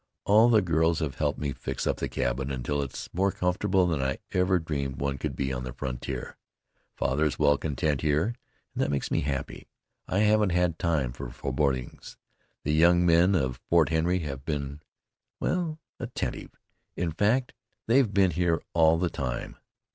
All the girls have helped me fix up the cabin until it's more comfortable than I ever dreamed one could be on the frontier. Father is well content here, and that makes me happy. I haven't had time for forebodings. The young men of Fort Henry have been well, attentive; in fact, they've been here all the time."